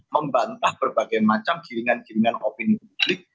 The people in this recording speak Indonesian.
membantah berbagai macam gilingan gilingan opini publik